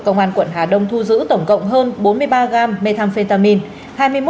công an quận hà đông thu giữ tổng cộng hơn bốn mươi ba gam methamphetamine